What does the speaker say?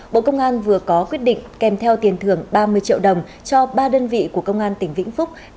bộ công an vừa có quyết định kèm theo tiền thưởng ba mươi triệu đồng cho ba đơn vị của công an tp cn